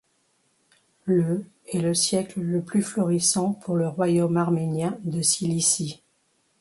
Le est le siècle le plus florissant pour le royaume arménien de Cilicie.